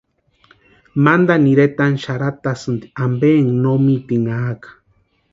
Mantani iretani xarhatasïnti ampe énka no mitinhakʼa.